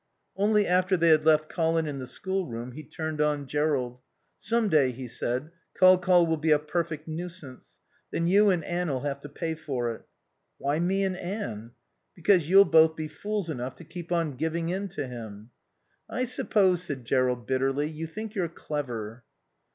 Only after they had left Colin in the schoolroom, he turned on Jerrold. "Some day," he said, "Col Col will be a perfect nuisance. Then you and Anne'll have to pay for it." "Why me and Anne?" "Because you'll both be fools enough to keep on giving in to him." "I suppose," said Jerrold bitterly, "you think you're clever."